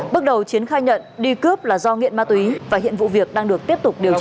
bước đầu chiến khai nhận đi cướp là do nghiện ma túy và hiện vụ việc đang được tiếp tục điều tra